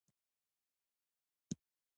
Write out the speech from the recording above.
اودس د مؤمن د ژوند برکت دی.